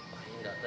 pak enggak tentu